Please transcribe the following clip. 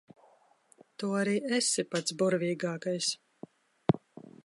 Tu arī esi pats burvīgākais.